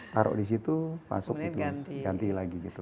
taruh di situ masuk gitu ganti lagi gitu